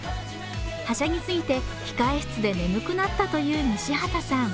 はしゃぎすぎて控え室で眠くなったという西畑さん。